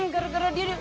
gara gara dia nih